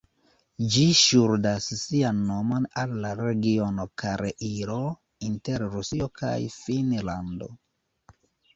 Ĝi ŝuldas sian nomon al la regiono Karelio inter Rusio kaj Finnlando.